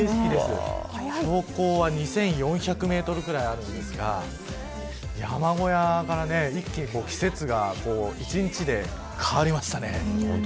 標高は２４００メートルくらいあるんですが山小屋が一気に季節が一日で変わりましたね。